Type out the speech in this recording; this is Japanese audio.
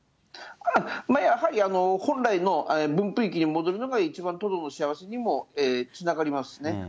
やはり本来の分布域に戻るのが一番トドの幸せにもつながりま